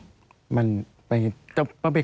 สวัสดีค่ะที่จอมฝันครับ